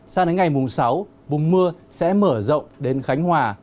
sang đến ngày mùng sáu vùng mưa sẽ mở rộng đến khánh hòa